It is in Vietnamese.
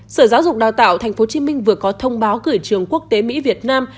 sở giáo dục đào tạo tp hcm vừa có thông báo gửi trường quốc tế mỹ việt nam